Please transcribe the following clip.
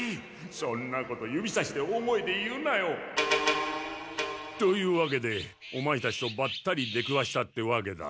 そんなこと指さして大声で言うなよ！というわけでオマエたちとバッタリ出くわしたってわけだ。